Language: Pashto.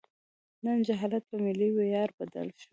نن جهالت په ملي ویاړ بدل شوی.